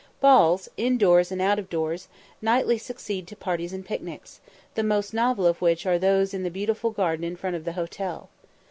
Balls, in doors and out of doors, nightly succeed to parties and picnics; the most novel of which are those in the beautiful garden in front of the hotel.